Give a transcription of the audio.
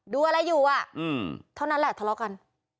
ดูอะไรอยู่เท่านั้นแหละทะเลาะกัน